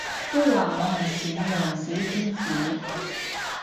都話我係善良小天使